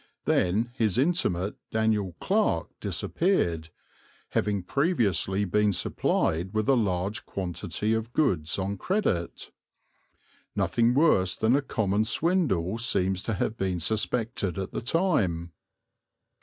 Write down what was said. Then his intimate Daniel Clarke disappeared, having previously been supplied with a large quantity of goods on credit. Nothing worse than a common swindle seems to have been suspected at the time.